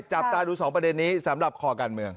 จับตาดู๒ประเด็นนี้สำหรับคอการเมือง